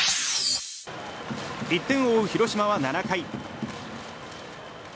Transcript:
１点を追う広島は７回。